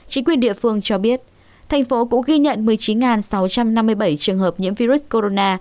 chính quyền địa phương cho biết thành phố cũng ghi nhận một mươi chín sáu trăm năm mươi bảy trường hợp nhiễm virus corona